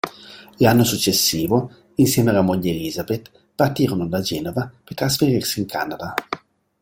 L'anno successivo insieme alla moglie Elisabeth partirono da Genova per trasferirsi in Canada.